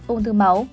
ung thư máu